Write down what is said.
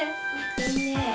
いいねえ。